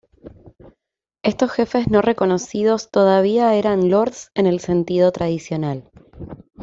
Estos jefes no reconocidos todavía eran Lords en el sentido tradicional.